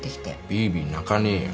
ビービー泣かねえよ。